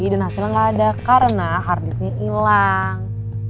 dan hasilnya gak ada karena harddisknya hilang